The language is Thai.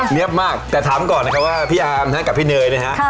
มากแต่ถามก่อนนะครับว่าพี่อาร์มกับพี่เนยนะฮะ